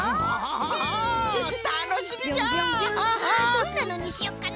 どんなのにしよっかな？